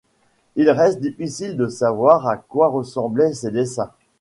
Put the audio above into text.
Il reste difficile de savoir à quoi ressemblaient ces dessins.